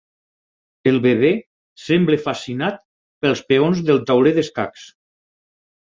El bebè sembla fascinat pels peons del tauler d'escacs.